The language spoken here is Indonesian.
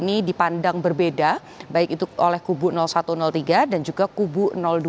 ini dipandang berbeda baik itu oleh kubu satu tiga dan juga kubu dua